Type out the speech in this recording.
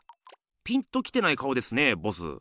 ピンときてない顔ですねボス。